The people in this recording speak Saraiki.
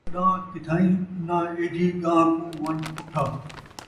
تݙاں کِتھائیں انھاں اِہجی ڳاں کُوں وَن٘ڄ کُٹھا،